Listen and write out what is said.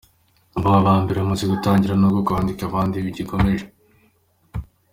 Ubu aba mbere bamaze gutangira nubwo kwandika abandi bigikomeje.